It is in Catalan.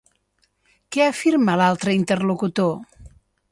Què afirma l'altre interlocutor?